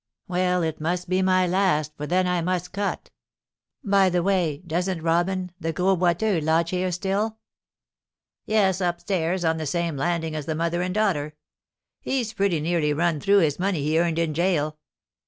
"Well, it must be my last, for then I must cut. By the way, doesn't Robin, the Gros Boiteux, lodge here still?" "Yes, up stairs, on the same landing as the mother and daughter. He's pretty nearly run through his money he earned in gaol."